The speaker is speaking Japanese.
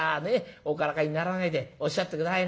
おからかいにならないでおっしゃって下さいな」。